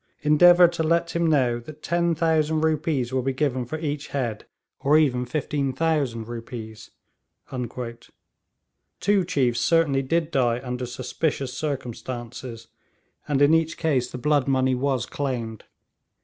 Endeavour to let him know that 10,000 rupees will be given for each head, or even 15,000 rupees.' Two chiefs certainly did die under suspicious circumstances, and in each case the blood money was claimed.